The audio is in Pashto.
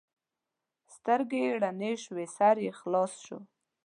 سترګې یې رڼې شوې؛ سر یې خلاص شو.